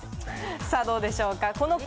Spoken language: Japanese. さぁどうでしょうか？